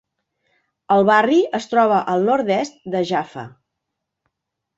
El barri es troba al nord-est de Jaffa.